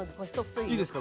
いいですか？